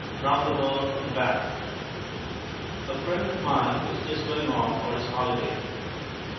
Round the World and Back A friend of mine is just going off for his holiday.